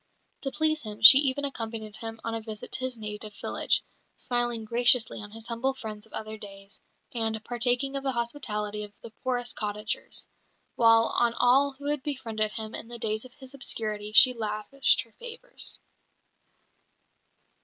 To please him, she even accompanied him on a visit to his native village, smiling graciously on his humble friends of other days, and partaking of the hospitality of the poorest cottagers; while on all who had befriended him in the days of his obscurity she lavished her favours.